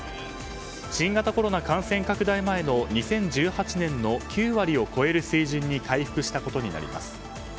新型コロナ感染拡大前の２０１８年の９割を超える水準に回復したことになります。